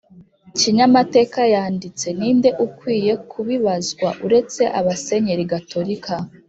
kinyamatekayanditse, ninde ukwiye kubibazwa uretse abasenyeri gatolika